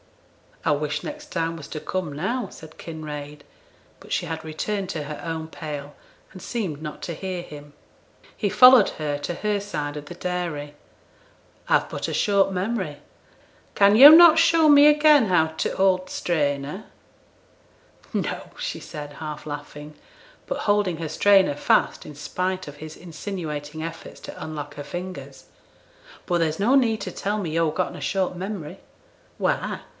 'I wish next time was to come now,' said Kinraid; but she had returned to her own pail, and seemed not to hear him. He followed her to her side of the dairy. 'I've but a short memory, can yo' not show me again how t' hold t' strainer?' 'No,' said she, half laughing, but holding her strainer fast in spite of his insinuating efforts to unlock her fingers. 'But there's no need to tell me yo've getten a short memory.' 'Why?